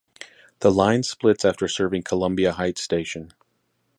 The line splits after serving Columbia Heights station.